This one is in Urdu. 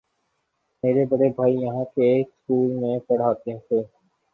میرے بڑے بھائی یہاں کے ایک سکول میں پڑھاتے تھے۔